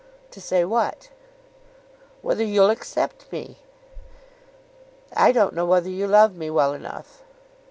"To say what?" "Whether you'll accept me?" "I don't know whether you love me well enough."